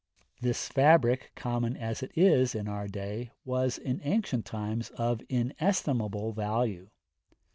This fabric, common as it is in our day, was in ancient times of inestimable value.